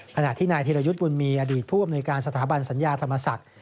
ขณะที่นายธิรยุทธ์บุญมีอดีตผู้อำนวยการสถาบันสัญญาธรรมศักดิ์